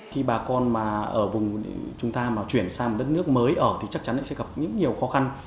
khi bà con ở vùng chúng ta chuyển sang một đất nước mới ở thì chắc chắn sẽ gặp nhiều khó khăn